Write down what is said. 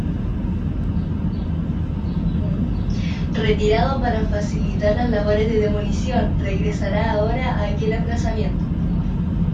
Retirado para facilitar las labores de demolición, regresará ahora a aquel emplazamiento.